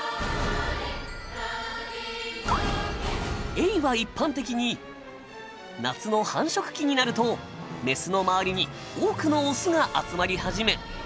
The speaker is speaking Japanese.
エイは一般的に夏の繁殖期になるとメスの周りに多くのオスが集まり始め。